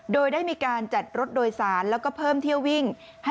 โดยได้มีการจัดรถโดยสารแล้วก็เพิ่มเที่ยววิ่ง